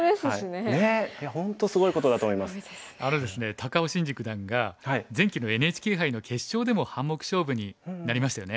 高尾紳路九段が前期のＮＨＫ杯の決勝でも半目勝負になりましたよね。